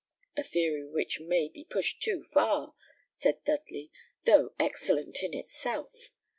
"A theory which may be pushed too far," said Dudley, "though excellent in itself.